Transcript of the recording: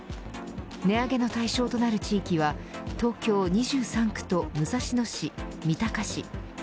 値上げの対象となる地域は東京２３区と武蔵野市、三鷹市。